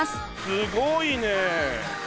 すごいねえ。